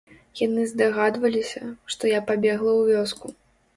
Яны здагадваліся, што я пабегла ў вёску.